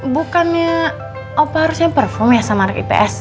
bukannya opa harusnya perform ya sama rek ips